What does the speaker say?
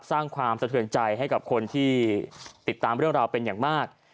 สร้างความสะเทือนใจให้กับคนที่ติดตามเรื่องราวเป็นอย่างมาก